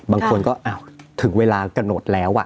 บางคนก็ถึงเวลากระโหลดแล้ว